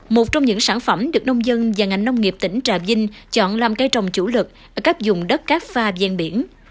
một trong những sản phẩm được nông dân và ngành nông nghiệp tỉnh trà vinh chọn làm cây trồng chủ lực ở các dùng đất các pha gian biển